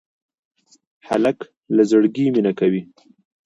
هلک له زړګي مینه کوي.